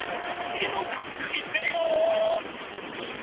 つぎのうたいってみよう！